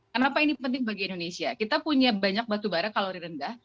kenapa ini penting bagi indonesia kita punya banyak batubara kalori rendah